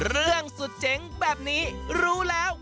เรื่องสุดเจ๋งแบบนี้รู้แล้ว